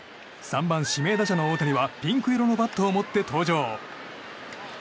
３番指名打者の大谷はピンク色のバットを持って登場。